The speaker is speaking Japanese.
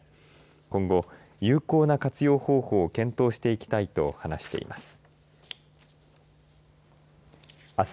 今後、有効な活用方法を検討していきたいと話しています。